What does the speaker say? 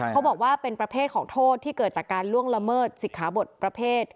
เขาบอกว่าเป็นประเภทของโทษที่เกิดจากการล่วงละเมิดสิกขาบทประเภท